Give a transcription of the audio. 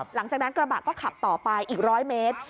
หลังจากนั้นกระบะก็ขับต่อไปอีก๑๐๐เมตร